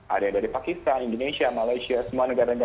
ada dari pakistan indonesia malaysia semua negara negara